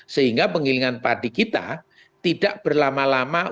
sehingga penggilingan padi kita tidak berlama lama